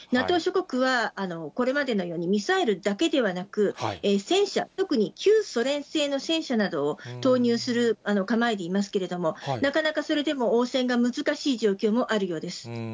ＮＡＴＯ諸国は、これまでのようにミサイルだけではなく、戦車、特に旧ソ連製の戦車などを投入する構えでいますけれども、なかなかそれでも応戦が難しい状況もあるようです。